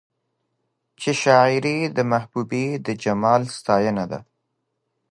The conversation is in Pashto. چې شاعري د محبوبې د جمال ستاينه ده